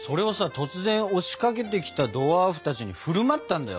突然押しかけてきたドワーフたちに振る舞ったんだよ。